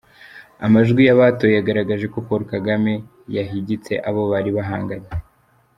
Amajwi y'abatoye yagaragaje ko Paul Kagame yahigitse abo bari bahanganye.